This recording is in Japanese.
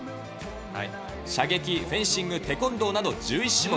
射撃、フェンシング、テコンドーなど１１種目。